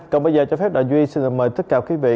còn bây giờ cho phép đà duy xin mời tất cả quý vị